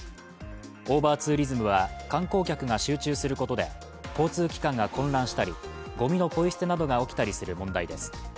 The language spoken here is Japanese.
オーバーツーリズムは、観光客が集中することで、交通機関が混乱したり、ごみのポイ捨てなどが起きたりする問題です。